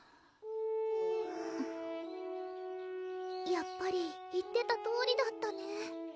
やっぱり言ってたとおりだったね